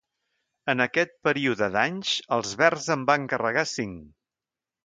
En aquest període d'anys, els verds en van carregar cinc.